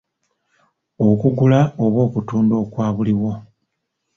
Okugula oba okutunda okwa buliwo.